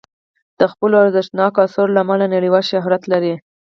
د خپلو ارزښتناکو اثارو له امله نړیوال شهرت لري.